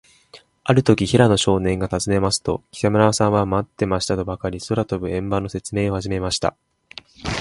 あるとき、平野少年がたずねますと、北村さんは、まってましたとばかり、空とぶ円盤のせつめいをはじめました。